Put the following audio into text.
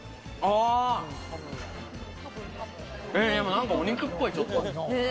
何かお肉っぽい、ちょっと。